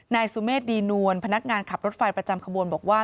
นายสุเมษดีนวลพนักงานขับรถไฟประจำขบวนบอกว่า